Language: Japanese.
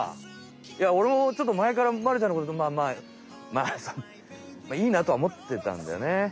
いや俺もちょっとまえからまるちゃんのことまあいいなとは思ってたんだよね。